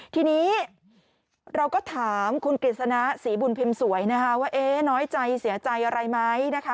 ทีนี้เราก็ถามคุณกฤษณะศรีบุญพิมพ์สวยนะคะว่าน้อยใจเสียใจอะไรไหมนะคะ